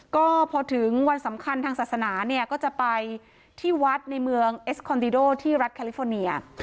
ก็พอถึงวันสำคัญทางศาสนาเนี่ยก็จะไปที่วัดในเมืองเอสคอนดิโดที่รัฐแคลิฟอร์เนีย